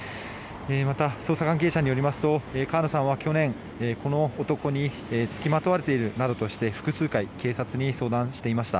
また、捜査関係者によりますと川野さんは去年、この男に付きまとわれているなどとして複数回警察に相談していました。